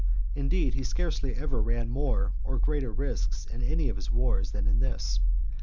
Indeed he scarcely ever ran more or greater risks in any of his wars than in this.